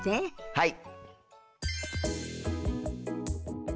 はい。